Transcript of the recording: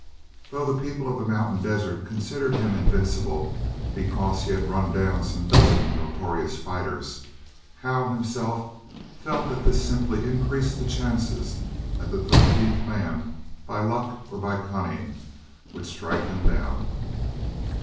Though the people of the mountain desert considered him invincible, because he had run down some dozen notorious fighters, Hal himself felt that this simply increased the chances that the thirteenth man, by luck or by cunning, would strike him down.